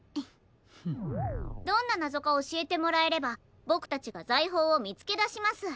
どんななぞかおしえてもらえればボクたちがざいほうをみつけだします。